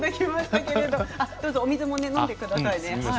どうぞお水も飲んでくださいね。